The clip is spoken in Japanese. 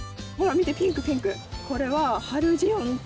見てピンクピンク。